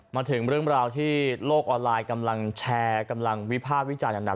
มาถึงเรื่องราวที่โลกออนไลน์กำลังแชร์กำลังวิภาควิจารณ์อย่างหนัก